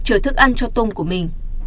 chữa thức ăn cho tôm của mình